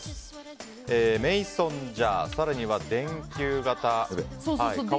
メイソンジャー、更には電球型。